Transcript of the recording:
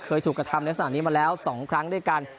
เคยถูกกระทำในลักษณะนี้มาแล้ว๒ครั้งด้วยกัน